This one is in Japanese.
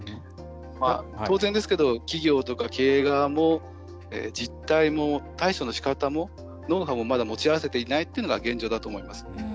当然ですが、企業とか経営側も実態も対処のしかたもノウハウもまだ持ち合わせていないというのが現状だと思います。